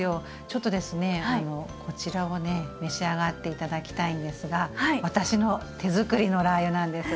ちょっとですねこちらをね召し上がって頂きたいんですが私の手づくりのラー油なんです。